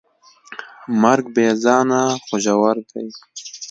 مرګ بېځانه خو ژور دی.